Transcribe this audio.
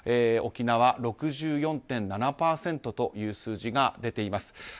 沖縄、６４．７％という数字が出ています。